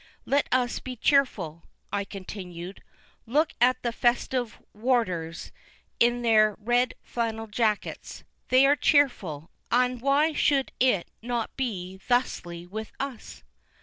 Let us be cheerful," I continnered. "Look at the festiv Warders, in their red flannel jackets. They are cheerful, and why should it not be thusly with us?"